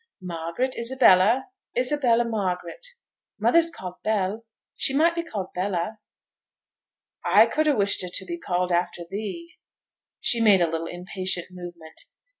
'Margaret Isabella; Isabella Margaret. Mother's called Bell. She might be called Bella.' 'I could ha' wished her to be called after thee.' She made a little impatient movement.